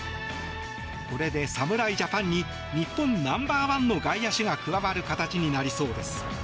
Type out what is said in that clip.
これで侍ジャパンに日本ナンバーワンの外野手が加わる形になりそうです。